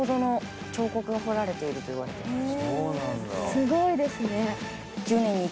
すごいですね。